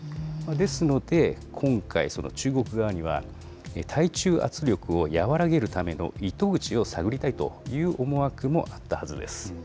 ですので、今回、中国側には対中圧力を和らげるための糸口を探りたいという思惑もあったはずです。